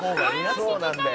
「そうなんだよ」